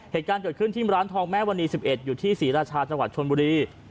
เหตุการณ์เกิดขึ้นที่ร้านทองแม่มณี๑๑อยู่ที่ศรีราชาจังหวัดชนบุรี